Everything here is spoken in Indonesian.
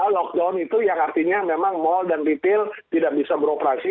lockdown itu yang artinya memang mal dan retail tidak bisa beroperasi